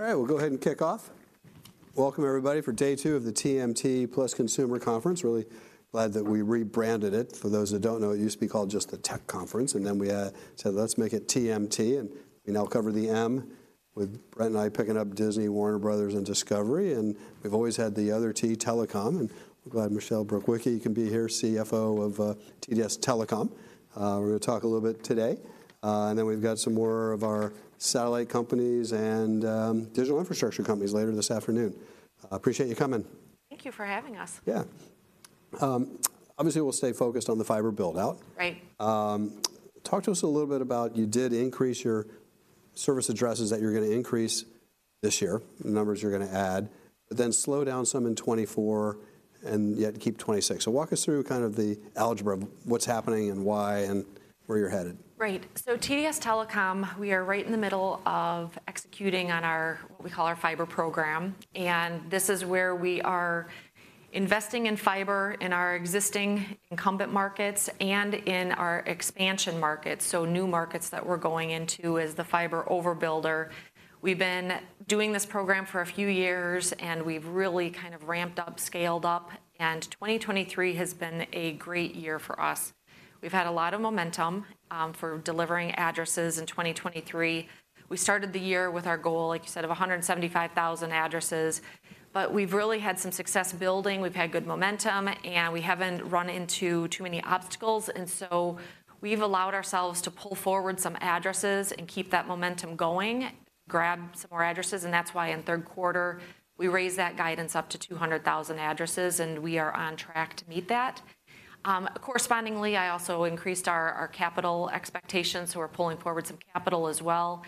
All right, we'll go ahead and kick off. Welcome, everybody, for day two of the TMT Plus Consumer Conference. Really glad that we rebranded it. For those that don't know, it used to be called just the Tech Conference, and then we said, "Let's make it TMT," and we now cover the M, with Brett and I picking up Disney, Warner Bros., and Discovery. And we've always had the other T, telecom, and we're glad Michelle Brukwicki can be here, CFO of TDS Telecom. We're going to talk a little bit today, and then we've got some more of our satellite companies and digital infrastructure companies later this afternoon. I appreciate you coming. Thank you for having us. Yeah. Obviously, we'll stay focused on the fiber build-out. Right. Talk to us a little bit about, you did increase your service addresses that you're going to increase this year, the numbers you're going to add, but then slow down some in 2024, and yet keep 2026. So walk us through kind of the algebra, what's happening and why, and where you're headed. Right. So TDS Telecom, we are right in the middle of executing on our, what we call our fiber program, and this is where we are investing in fiber in our existing incumbent markets and in our expansion markets, so new markets that we're going into as the fiber overbuilder. We've been doing this program for a few years, and we've really kind of ramped up, scaled up, and 2023 has been a great year for us. We've had a lot of momentum for delivering addresses in 2023. We started the year with our goal, like you said, of 175,000 addresses, but we've really had some success building, we've had good momentum, and we haven't run into too many obstacles, and so we've allowed ourselves to pull forward some addresses and keep that momentum going, grab some more addresses, and that's why in the third quarter, we raised that guidance up to 200,000 addresses, and we are on track to meet that. Correspondingly, I also increased our, our capital expectations, so we're pulling forward some capital as well.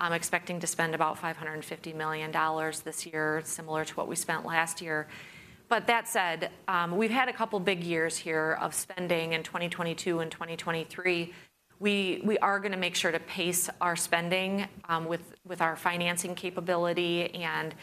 I'm expecting to spend about $550 million this year, similar to what we spent last year. But that said, we've had a couple of big years here of spending in 2022 and 2023. We are going to make sure to pace our spending with our financing capability, and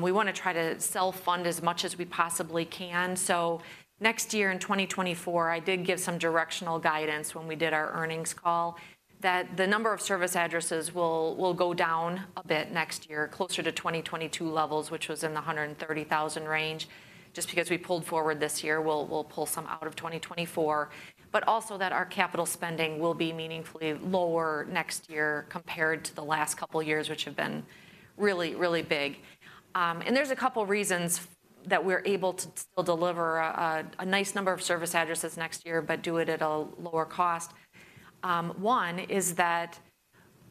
we want to try to self-fund as much as we possibly can. So next year, in 2024, I did give some directional guidance when we did our earnings call, that the number of service addresses will go down a bit next year, closer to 2022 levels, which was in the 130,000 range. Just because we pulled forward this year, we'll pull some out of 2024, but also that our capital spending will be meaningfully lower next year compared to the last couple of years, which have been really, really big. And there's a couple of reasons that we're able to still deliver a nice number of service addresses next year, but do it at a lower cost. One is that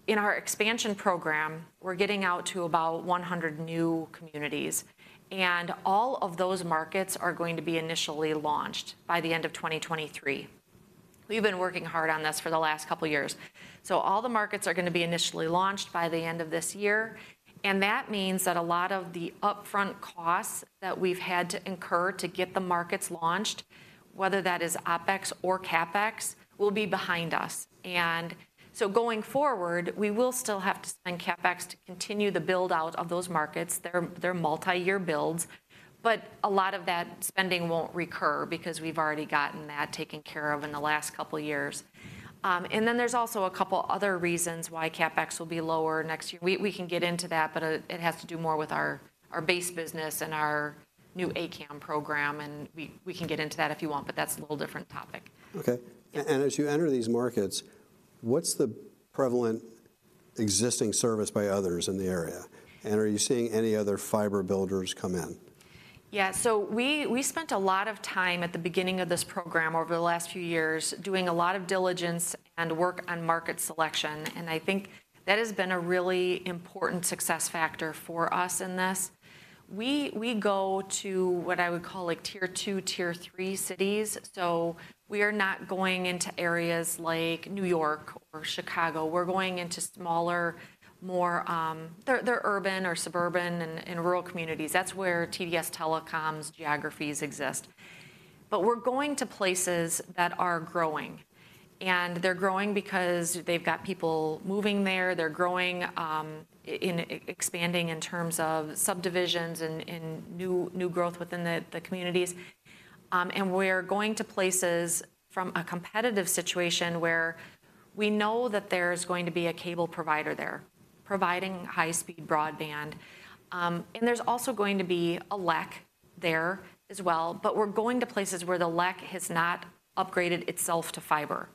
in our expansion program, we're getting out to about 100 new communities, and all of those markets are going to be initially launched by the end of 2023. We've been working hard on this for the last couple of years. So all the markets are going to be initially launched by the end of this year, and that means that a lot of the upfront costs that we've had to incur to get the markets launched, whether that is OpEx or CapEx, will be behind us. And so going forward, we will still have to spend CapEx to continue the build-out of those markets. They're multi-year builds, but a lot of that spending won't recur because we've already gotten that taken care of in the last couple of years. And then there's also a couple of other reasons why CapEx will be lower next year. We can get into that, but it has to do more with our base business and our new A-CAM program, and we can get into that if you want, but that's a little different topic. Okay. And as you enter these markets, what's the prevalent existing service by others in the area? And are you seeing any other fiber builders come in? Yeah, so we spent a lot of time at the beginning of this program over the last few years doing a lot of diligence and work on market selection, and I think that has been a really important success factor for us in this. We go to what I would call, like, tier two, tier three cities, so we are not going into areas like New York or Chicago. We're going into smaller, more... They're urban or suburban and rural communities. That's where TDS Telecom's geographies exist. But we're going to places that are growing, and they're growing because they've got people moving there. They're growing in expanding in terms of subdivisions and new growth within the communities. And we're going to places from a competitive situation where we know that there's going to be a cable provider there, providing high-speed broadband, and there's also going to be a LEC there as well, but we're going to places where the LEC has not upgraded itself to fiber.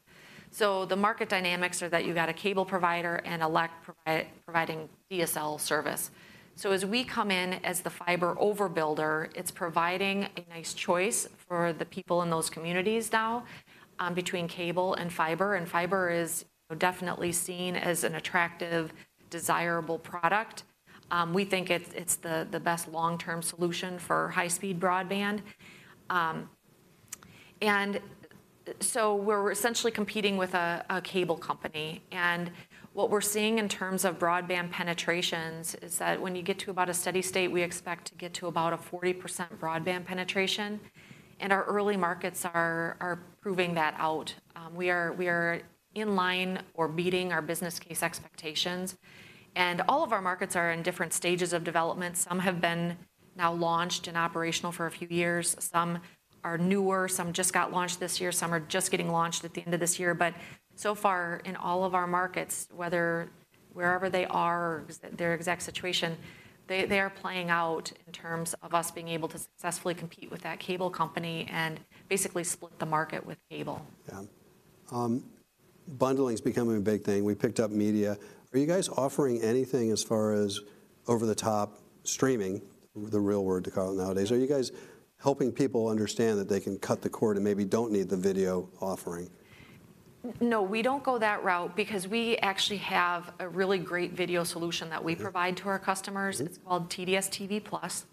So the market dynamics are that you've got a cable provider and a LEC providing DSL service. So as we come in as the fiber overbuilder, it's providing a nice choice for the people in those communities now, between cable and fiber, and fiber is definitely seen as an attractive, desirable product. We think it's the best long-term solution for high-speed broadband. So we're essentially competing with a cable company, and what we're seeing in terms of broadband penetrations is that when you get to about a steady state, we expect to get to about a 40% broadband penetration, and our early markets are proving that out. We are in line or beating our business case expectations, and all of our markets are in different stages of development. Some have now been launched and operational for a few years. Some are newer, some just got launched this year, some are just getting launched at the end of this year. But so far, in all of our markets, wherever they are, their exact situation, they are playing out in terms of us being able to successfully compete with that cable company and basically split the market with cable. Yeah. Bundling is becoming a big thing. We picked up media. Are you guys offering anything as far as over-the-top streaming, the real word to call it nowadays? Are you guys helping people understand that they can cut the cord and maybe don't need the video offering? No, we don't go that route because we actually have a really great video solution that we provide to our customers. Mm-hmm. It's called TDS TV+.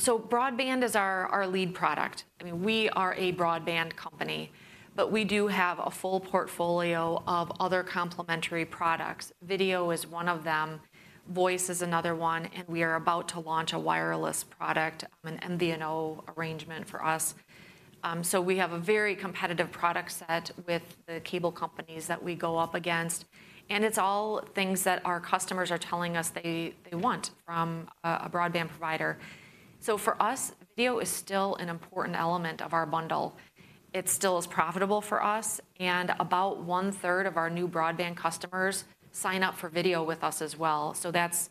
So broadband is our lead product. I mean, we are a broadband company, but we do have a full portfolio of other complementary products. Video is one of them, voice is another one, and we are about to launch a wireless product, an MVNO arrangement for us. So we have a very competitive product set with the cable companies that we go up against, and it's all things that our customers are telling us they want from a broadband provider. So for us, video is still an important element of our bundle. It still is profitable for us, and about one-third of our new broadband customers sign up for video with us as well. So that's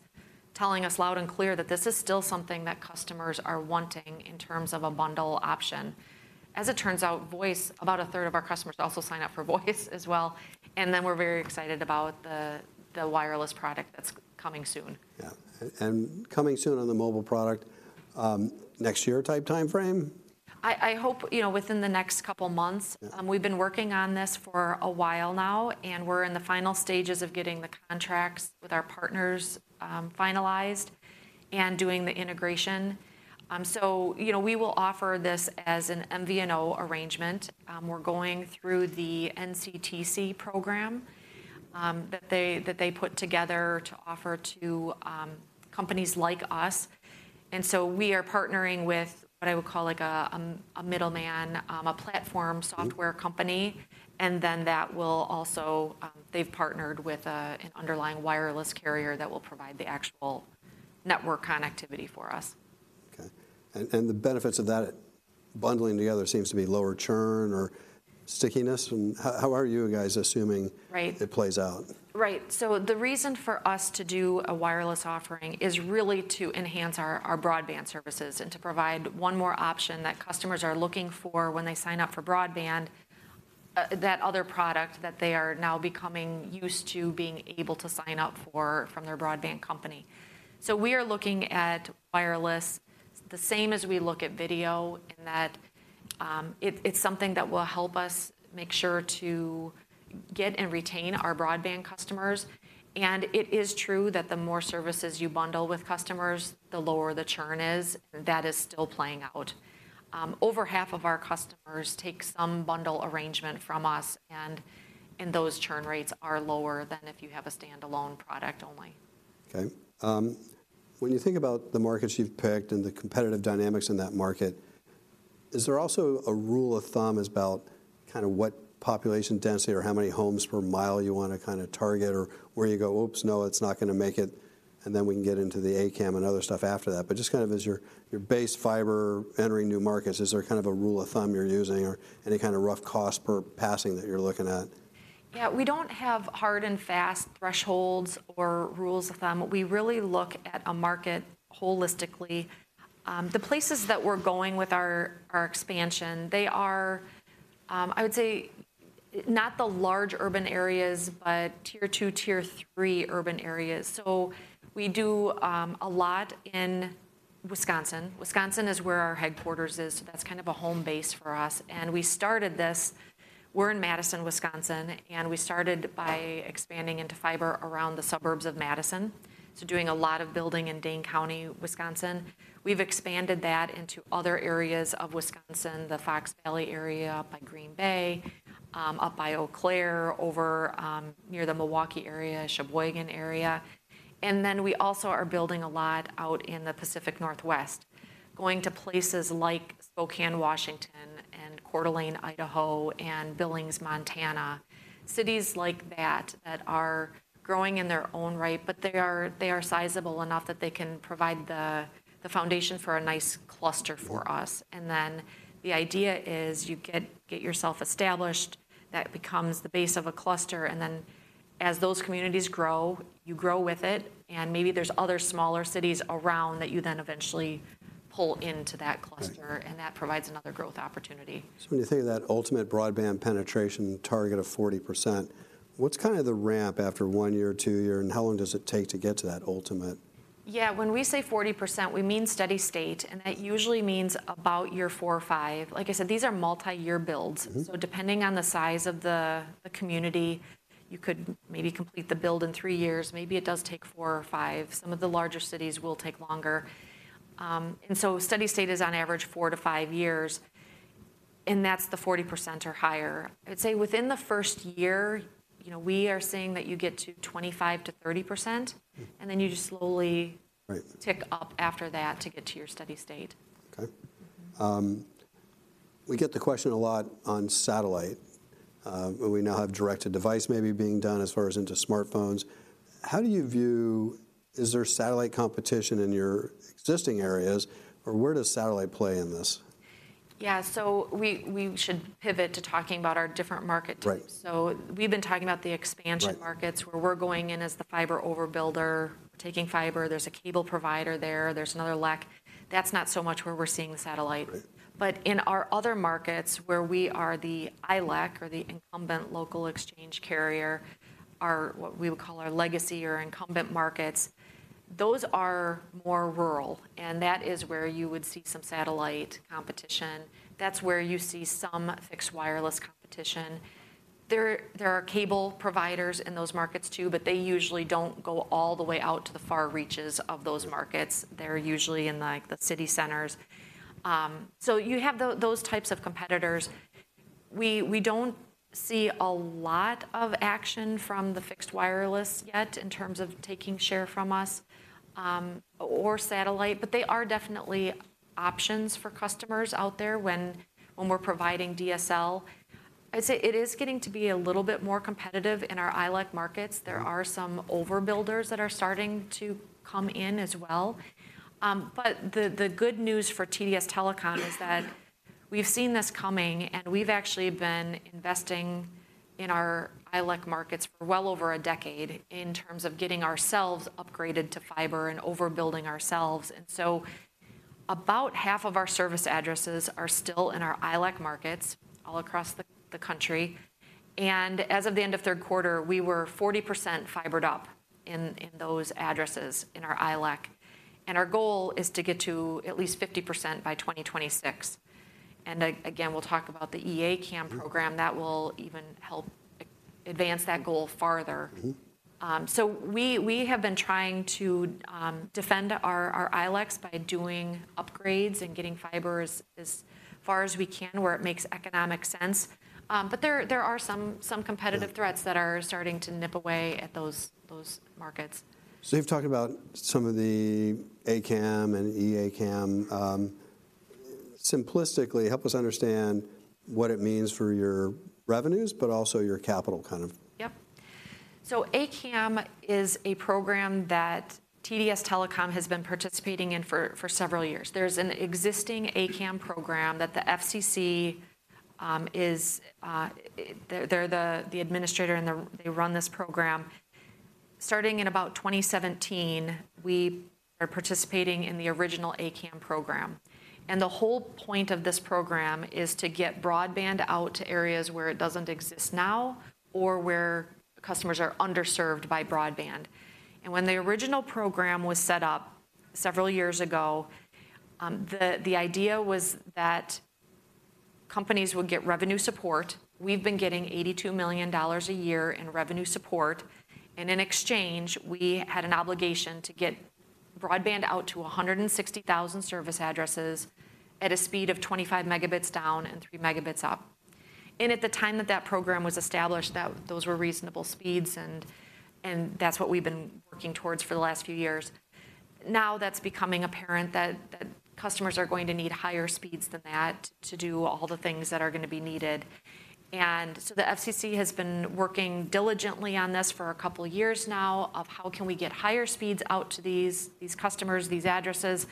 telling us loud and clear that this is still something that customers are wanting in terms of a bundle option. As it turns out, voice, about a third of our customers also sign up for voice as well, and then we're very excited about the wireless product that's coming soon. Yeah. And coming soon on the mobile product, next year type timeframe? I hope, you know, within the next couple of months. Yeah. We've been working on this for a while now, and we're in the final stages of getting the contracts with our partners finalized and doing the integration. So, you know, we will offer this as an MVNO arrangement. We're going through the NCTC program that they put together to offer to companies like us, and so we are partnering with what I would call like a middleman, a platform software- Mm... company, and then that will also, they've partnered with an underlying wireless carrier that will provide the actual network connectivity for us. Okay. And the benefits of that bundling together seems to be lower churn or stickiness. And how are you guys assuming- Right... it plays out? Right. So the reason for us to do a wireless offering is really to enhance our, our broadband services and to provide one more option that customers are looking for when they sign up for broadband, that other product that they are now becoming used to being able to sign up for from their broadband company. So we are looking at wireless the same as we look at video, in that, it, it's something that will help us make sure to get and retain our broadband customers, and it is true that the more services you bundle with customers, the lower the churn is. That is still playing out. Over half of our customers take some bundle arrangement from us, and, and those churn rates are lower than if you have a standalone product only. Okay. When you think about the markets you've picked and the competitive dynamics in that market, is there also a rule of thumb about kind of what population density or how many homes per mile you want to kind of target, or where you go, "Oops, no, it's not going to make it," and then we can get into the A-CAM and other stuff after that? But just kind of as your, your base fiber entering new markets, is there kind of a rule of thumb you're using or any kind of rough cost per passing that you're looking at? Yeah, we don't have hard and fast thresholds or rules of thumb. We really look at a market holistically. The places that we're going with our expansion, they are, I would say, not the large urban areas, but tier two, tier three urban areas. So we do a lot in Wisconsin. Wisconsin is where our headquarters is, so that's kind of a home base for us. And we're in Madison, Wisconsin, and we started by expanding into fiber around the suburbs of Madison, so doing a lot of building in Dane County, Wisconsin. We've expanded that into other areas of Wisconsin, the Fox Valley area, up by Green Bay, up by Eau Claire, over near the Milwaukee area, Sheboygan area. We also are building a lot out in the Pacific Northwest, going to places like Spokane, Washington, and Coeur d'Alene, Idaho, and Billings, Montana. Cities like that that are growing in their own right, but they are sizable enough that they can provide the foundation for a nice cluster for us. Mm. And then the idea is, you get yourself established, that becomes the base of a cluster, and then as those communities grow, you grow with it, and maybe there's other smaller cities around that you then eventually pull into that cluster- Right... and that provides another growth opportunity. When you think of that ultimate broadband penetration target of 40%, what's kind of the ramp after 1 year or 2 year, and how long does it take to get to that ultimate? Yeah, when we say 40%, we mean steady state, and that usually means about year 4 or 5. Like I said, these are multiyear builds. Mm-hmm. So depending on the size of the community, you could maybe complete the build in 3 years, maybe it does take 4 or 5. Some of the larger cities will take longer. And so steady state is on average 4-5 years, and that's the 40% or higher. I'd say within the first year, you know, we are seeing that you get to 25%-30%- Mm... and then you just slowly- Right... tick up after that to get to your steady state. Okay. We get the question a lot on satellite, and we now have direct-to-device maybe being done as far as into smartphones. How do you view—is there satellite competition in your existing areas, or where does satellite play in this? Yeah, so we should pivot to talking about our different market types. Right. We've been talking about the expansion markets- Right... where we're going in as the fiber overbuilder, taking fiber. There's a cable provider there, there's another LEC. That's not so much where we're seeing the satellite. Right. But in our other markets, where we are the ILEC, or the incumbent local exchange carrier, our, what we would call our legacy or incumbent markets, those are more rural, and that is where you would see some satellite competition. That's where you see some fixed wireless competition. There, there are cable providers in those markets too, but they usually don't go all the way out to the far reaches of those markets. They're usually in, like, the city centers. So you have those types of competitors. We don't see a lot of action from the fixed wireless yet in terms of taking share from us, or satellite, but they are definitely options for customers out there when we're providing DSL. I'd say it is getting to be a little bit more competitive in our ILEC markets. Mm-hmm. There are some overbuilders that are starting to come in as well. But the good news for TDS Telecom is that we've seen this coming, and we've actually been investing in our ILEC markets for well over a decade in terms of getting ourselves upgraded to fiber and overbuilding ourselves. And so about half of our service addresses are still in our ILEC markets all across the country, and as of the end of third quarter, we were 40% fibered up in those addresses in our ILEC. And our goal is to get to at least 50% by 2026. And again, we'll talk about the E-ACAM program- Mm-hmm... that will even help advance that goal farther. Mm-hmm. So we have been trying to defend our ILECs by doing upgrades and getting fiber as far as we can, where it makes economic sense. But there are some competitive- Yeah... threats that are starting to nip away at those, those markets. You've talked about some of the A-CAM and E-ACAM. Simplistically, help us understand what it means for your revenues, but also your capital, kind of? Yep. So A-CAM is a program that TDS Telecom has been participating in for several years. There's an existing A-CAM program that the FCC is the administrator, and they run this program. Starting in about 2017, we are participating in the original A-CAM program, and the whole point of this program is to get broadband out to areas where it doesn't exist now or where customers are underserved by broadband. And when the original program was set up several years ago, the idea was that companies would get revenue support. We've been getting $82 million a year in revenue support, and in exchange, we had an obligation to get broadband out to 160,000 service addresses at a speed of 25 Mbps down and 3 Mbps up. At the time that that program was established, those were reasonable speeds, and that's what we've been working towards for the last few years. Now, that's becoming apparent that customers are going to need higher speeds than that to do all the things that are going to be needed. So the FCC has been working diligently on this for a couple of years now, of how can we get higher speeds out to these customers, these addresses?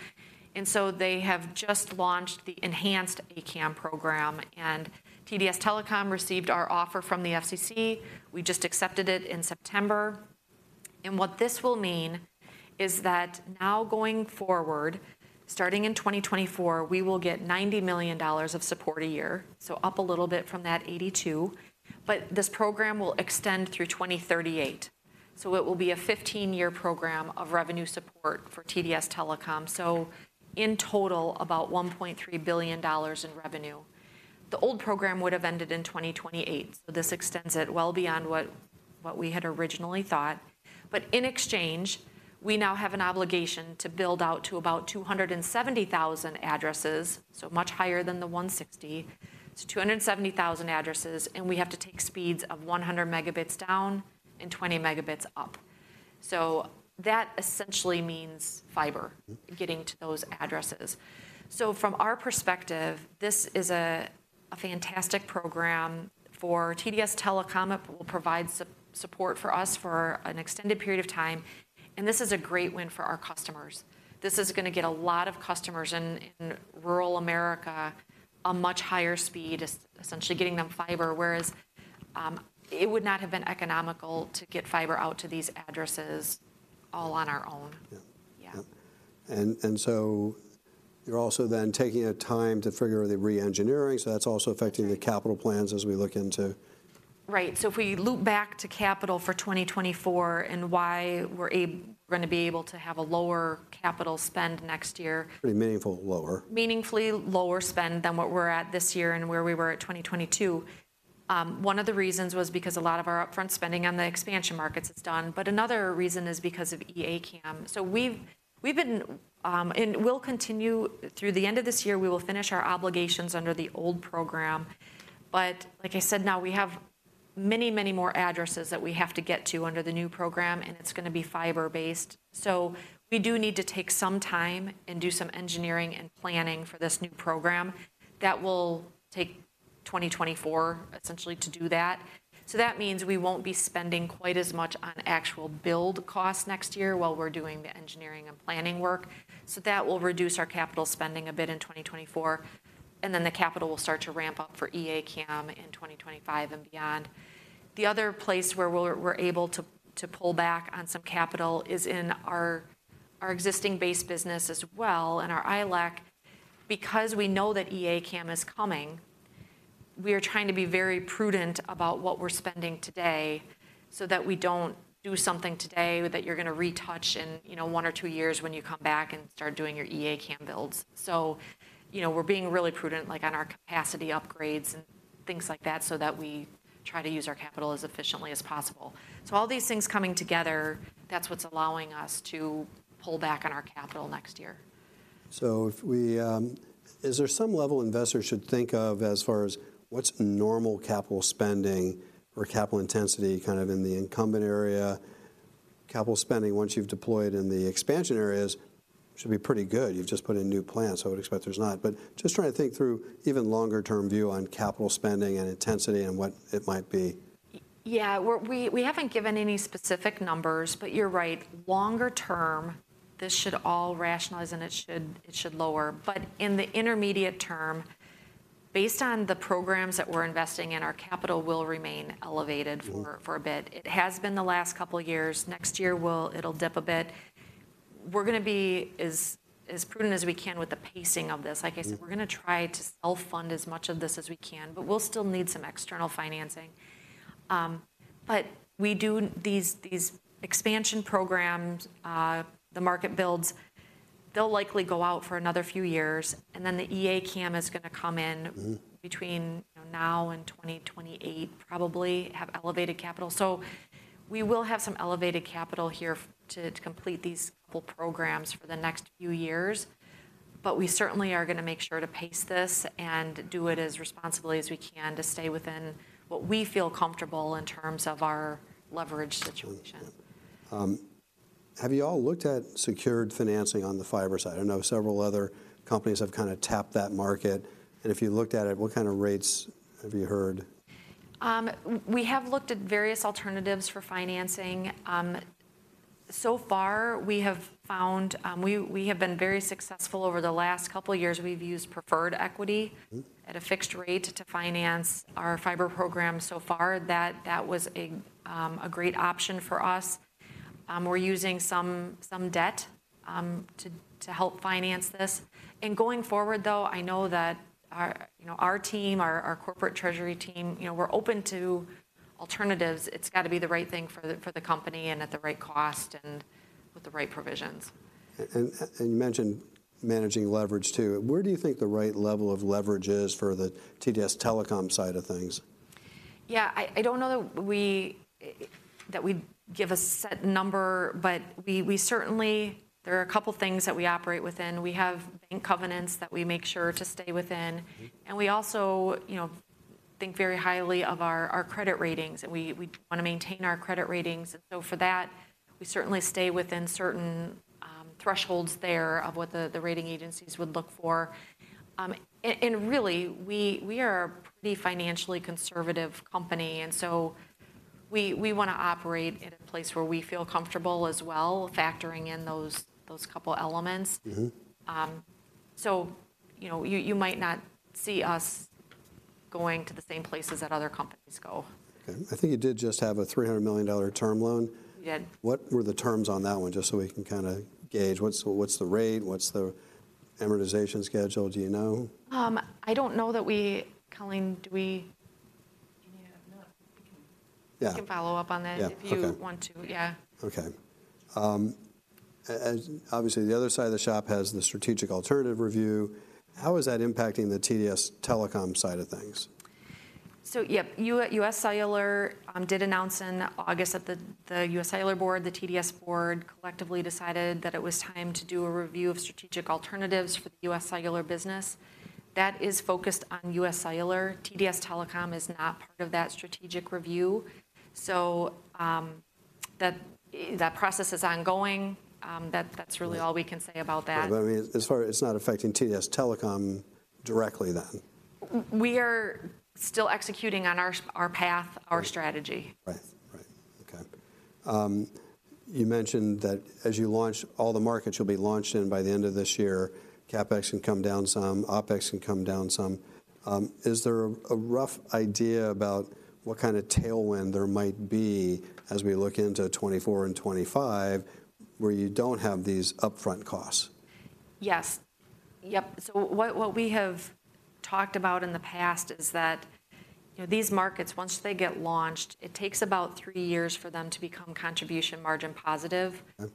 So they have just launched the enhanced A-CAM program, and TDS Telecom received our offer from the FCC. We just accepted it in September. And what this will mean is that now going forward, starting in 2024, we will get $90 million of support a year, so up a little bit from that $82. But this program will extend through 2038, so it will be a 15-year program of revenue support for TDS Telecom, so in total, about $1.3 billion in revenue. The old program would have ended in 2028, so this extends it well beyond what, what we had originally thought. But in exchange, we now have an obligation to build out to about 270,000 addresses, so much higher than the 160. So 270,000 addresses, and we have to take speeds of 100 megabits down and 20 megabits up. So that essentially means fiber- Mm-hmm... getting to those addresses. So from our perspective, this is a fantastic program for TDS Telecom. It will provide support for us for an extended period of time, and this is a great win for our customers. This is going to get a lot of customers in rural America a much higher speed, essentially getting them fiber, whereas it would not have been economical to get fiber out to these addresses all on our own. Yeah. Yeah. Yep. And so you're also then taking the time to figure out the re-engineering, so that's also affecting- Right... the capital plans as we look into. Right. So if we loop back to capital for 2024 and why we're going to be able to have a lower capital spend next year. Pretty meaningful lower. Meaningfully lower spend than what we're at this year and where we were at 2022. One of the reasons was because a lot of our upfront spending on the expansion markets is done, but another reason is because of E-ACAM. So we've been, and we'll continue through the end of this year, we will finish our obligations under the old program. But like I said, now we have many, many more addresses that we have to get to under the new program, and it's gonna be fiber-based. So we do need to take some time and do some engineering and planning for this new program. That will take 2024, essentially, to do that. So that means we won't be spending quite as much on actual build costs next year while we're doing the engineering and planning work, so that will reduce our capital spending a bit in 2024, and then the capital will start to ramp up for E-ACAM in 2025 and beyond. The other place where we're able to pull back on some capital is in our existing base business as well, and our ILEC. Because we know that E-ACAM is coming, we are trying to be very prudent about what we're spending today so that we don't do something today that you're gonna retouch in, you know, one or two years when you come back and start doing your E-ACAM builds. You know, we're being really prudent, like, on our capacity upgrades and things like that, so that we try to use our capital as efficiently as possible. All these things coming together, that's what's allowing us to pull back on our capital next year. So if we, is there some level investors should think of as far as what's normal capital spending or capital intensity, kind of in the incumbent area? Capital spending, once you've deployed in the expansion areas, should be pretty good. You've just put in new plans, so I would expect there's not. But just trying to think through even longer-term view on capital spending and intensity and what it might be. Yeah, we haven't given any specific numbers, but you're right. Longer term, this should all rationalize, and it should lower. But in the intermediate term, based on the programs that we're investing in, our capital will remain elevated- Mm... for a bit. It has been the last couple of years. Next year, it'll dip a bit. We're gonna be as prudent as we can with the pacing of this. Mm-hmm. Like I said, we're gonna try to self-fund as much of this as we can, but we'll still need some external financing. But we do these, these expansion programs, the market builds, they'll likely go out for another few years, and then the E-ACAM is gonna come in- Mm... between now and 2028, probably, have elevated capital. So we will have some elevated capital here to complete these couple programs for the next few years, but we certainly are gonna make sure to pace this and do it as responsibly as we can to stay within what we feel comfortable in terms of our leverage situation. Have you all looked at secured financing on the fiber side? I know several other companies have kinda tapped that market, and if you looked at it, what kind of rates have you heard? We have looked at various alternatives for financing. So far, we have found... We have been very successful over the last couple of years. We've used preferred equity- Mm... at a fixed rate to finance our fiber program so far. That, that was a great option for us. We're using some debt to help finance this. And going forward, though, I know that our, you know, our team, our corporate treasury team, you know, we're open to alternatives. It's got to be the right thing for the company and at the right cost, and with the right provisions. You mentioned managing leverage, too. Where do you think the right level of leverage is for the TDS Telecom side of things? Yeah, I don't know that we'd give a set number, but we certainly, there are a couple of things that we operate within. We have bank covenants that we make sure to stay within. Mm-hmm. And we also, you know, think very highly of our credit ratings, and we want to maintain our credit ratings. And so for that, we certainly stay within certain thresholds there of what the rating agencies would look for. And really, we are a pretty financially conservative company, and so we want to operate in a place where we feel comfortable as well, factoring in those couple elements. Mm-hmm. So, you know, you might not see us going to the same places that other companies go. Okay. I think you did just have a $300 million term loan. We did. What were the terms on that one, just so we can kinda gauge? What's, what's the rate? What's the amortization schedule? Do you know? I don't know that we... Colleen, do we- Yeah, no, we can- Yeah. We can follow up on that- Yeah, okay... if you want to. Yeah. Okay. And obviously, the other side of the shop has the strategic alternative review. How is that impacting the TDS Telecom side of things? So yep, UScellular did announce in August that the UScellular board, the TDS board, collectively decided that it was time to do a review of strategic alternatives for the UScellular business. That is focused on UScellular. TDS Telecom is not part of that strategic review, so that process is ongoing. That, that's really- Right... all we can say about that. Right, but I mean, as far as it's not affecting TDS Telecom directly then. We are still executing on our path- Right... our strategy. Right. Right. Okay. You mentioned that as you launch, all the markets you'll be launched in by the end of this year, CapEx can come down some, OpEx can come down some. Is there a rough idea about what kind of tailwind there might be as we look into 2024 and 2025, where you don't have these upfront costs? Yes. Yep. So what we have talked about in the past is that, you know, these markets, once they get launched, it takes about three years for them to become contribution margin positive. Yeah.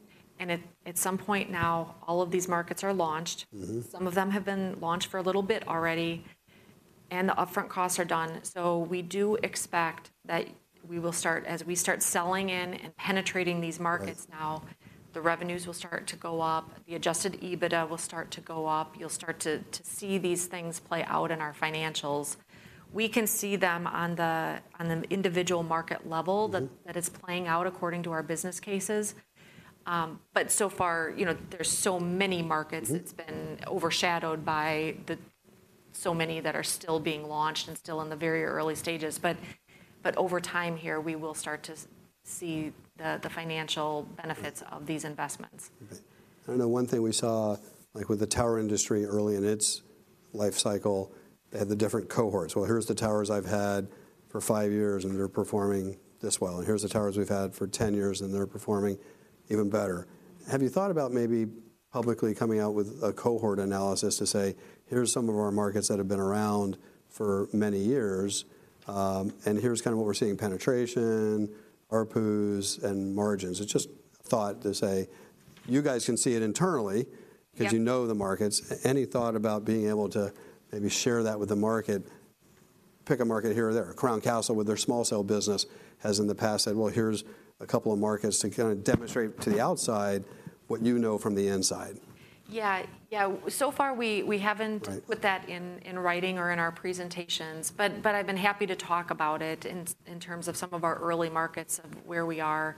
At some point now, all of these markets are launched. Mm-hmm. Some of them have been launched for a little bit already, and the upfront costs are done. So we do expect that we will start, as we start selling in and penetrating these markets now, the revenues will start to go up, the adjusted EBITDA will start to go up. You'll start to see these things play out in our financials. We can see them on an individual market level. Mm - that, that is playing out according to our business cases. But so far, you know, there's so many markets- Mm It's been overshadowed by the so many that are still being launched and still in the very early stages. But over time here, we will start to see the financial benefits- Okay - of these investments. Okay. I know one thing we saw, like with the tower industry early in its life cycle, they had the different cohorts. "Well, here's the towers I've had for five years, and they're performing this well, and here's the towers we've had for 10 years, and they're performing even better." Have you thought about maybe publicly coming out with a cohort analysis to say, "Here's some of our markets that have been around for many years, and here's kind of what we're seeing in penetration, ARPUs, and margins?" It's just a thought to say, you guys can see it internally- Yeah... 'cause you know the markets. Any thought about being able to maybe share that with the market? Pick a market here or there. Crown Castle, with their small cell business, has in the past said, "Well, here's a couple of markets," to kind of demonstrate to the outside what you know from the inside. Yeah. Yeah, so far, we haven't- Right put that in writing or in our presentations, but I've been happy to talk about it in terms of some of our early markets, of where we are.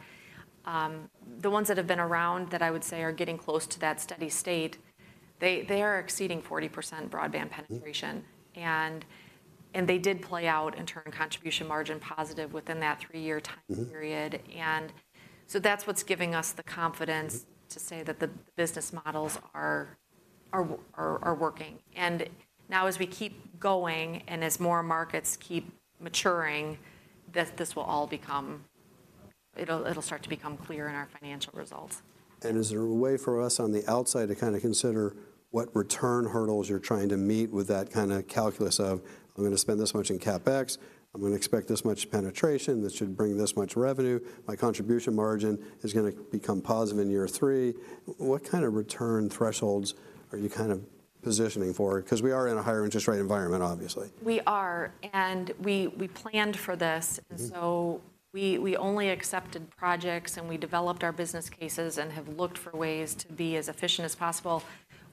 The ones that have been around that I would say are getting close to that steady state, they are exceeding 40% broadband penetration. Mm. And they did play out and turn contribution margin positive within that three-year time period. Mm-hmm. And so that's what's giving us the confidence- Mm ... to say that the business models are working. And now, as we keep going, and as more markets keep maturing, this will all become... It'll start to become clear in our financial results. Is there a way for us on the outside to kind of consider what return hurdles you're trying to meet with that kind of calculus of, "I'm going to spend this much in CapEx. I'm going to expect this much penetration. This should bring this much revenue. My contribution margin is going to become positive in year three"? What kind of return thresholds are you kind of positioning for? 'Cause we are in a higher interest rate environment, obviously. We are, and we planned for this. Mm-hmm. And so we only accepted projects, and we developed our business cases and have looked for ways to be as efficient as possible.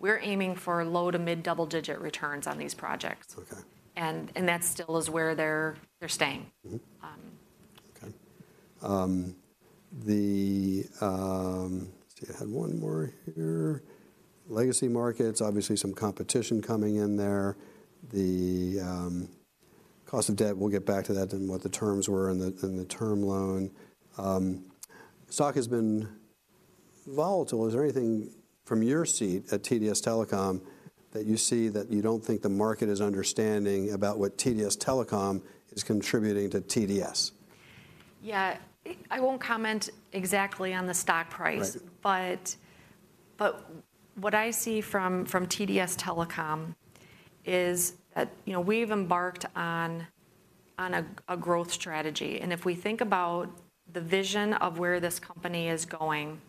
We're aiming for low- to mid-double-digit returns on these projects. Okay. And that still is where they're staying. Mm-hmm. Um. Okay. Legacy markets, obviously some competition coming in there. The cost of debt, we'll get back to that and what the terms were and the term loan. Stock has been volatile. Is there anything from your seat at TDS Telecom that you see that you don't think the market is understanding about what TDS Telecom is contributing to TDS? Yeah. I won't comment exactly on the stock price. Right. But what I see from TDS Telecom is that, you know, we've embarked on a growth strategy, and if we think about the vision of where this company is going,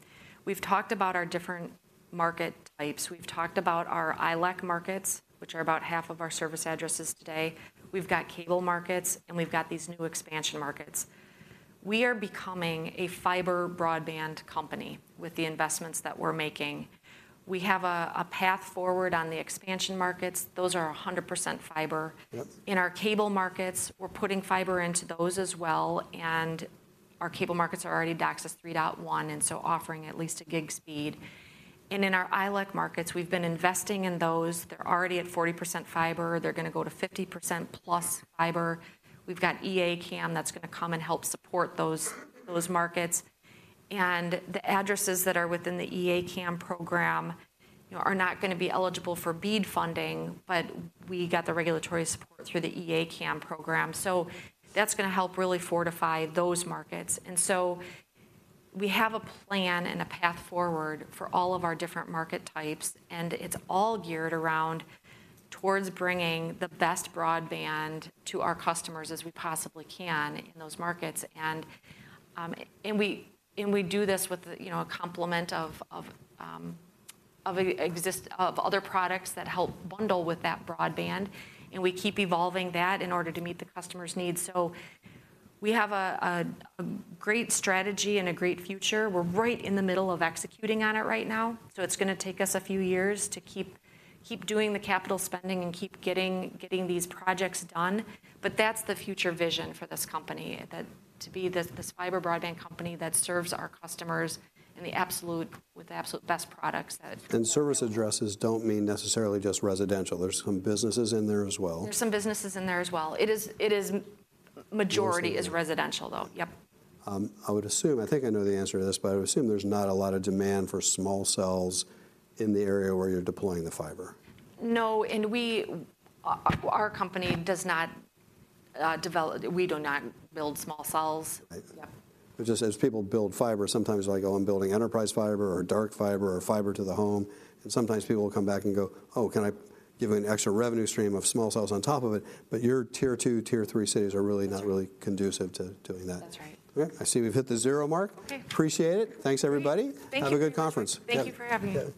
we've talked about our different market types. We've talked about our ILEC markets, which are about half of our service addresses today. We've got cable markets, and we've got these new expansion markets. We are becoming a fiber broadband company with the investments that we're making. We have a path forward on the expansion markets. Those are 100% fiber. Yep. In our cable markets, we're putting fiber into those as well, and our cable markets are already DOCSIS 3.1, and so offering at least a gig speed. And in our ILEC markets, we've been investing in those. They're already at 40% fiber. They're going to go to 50%-plus fiber. We've got E-ACAM that's going to come and help support those, those markets. And the addresses that are within the E-ACAM program, you know, are not going to be eligible for BEAD funding, but we got the regulatory support through the E-ACAM program. So that's going to help really fortify those markets. And so we have a plan and a path forward for all of our different market types, and it's all geared around towards bringing the best broadband to our customers as we possibly can in those markets. We do this with, you know, a complement of other products that help bundle with that broadband, and we keep evolving that in order to meet the customers' needs. So we have a great strategy and a great future. We're right in the middle of executing on it right now, so it's going to take us a few years to keep doing the capital spending and keep getting these projects done, but that's the future vision for this company, to be this fiber broadband company that serves our customers with the absolute best products that- Service addresses don't mean necessarily just residential. There's some businesses in there as well. There's some businesses in there as well. It is. Both... majority is residential, though. Yep. I would assume, I think I know the answer to this, but I would assume there's not a lot of demand for small cells in the area where you're deploying the fiber. No, and our company does not develop. We do not build small cells. I- Yeah. But just as people build fiber, sometimes they're like, "Oh, I'm building enterprise fiber or dark fiber or fiber to the home," and sometimes people will come back and go, "Oh, can I give you an extra revenue stream of small cells on top of it?" But your Tier 2, Tier 3 cities are really- That's right... not really conducive to doing that. That's right. Okay, I see we've hit the zero mark. Okay. Appreciate it. Great. Thanks, everybody. Thank you. Have a good conference. Thank you for having me.